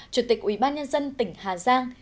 chủ tịch ủy ban nhân dân tỉnh hà giang